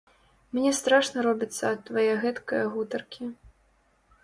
Мне страшна робіцца ад твае гэткае гутаркі.